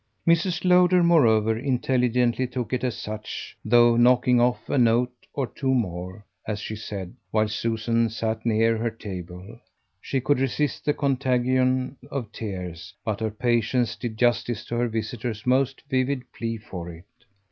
Mrs. Lowder moreover intelligently took it as such, though knocking off a note or two more, as she said, while Susie sat near her table. She could resist the contagion of tears, but her patience did justice to her visitor's most vivid plea for it.